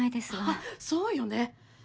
あっそうよね。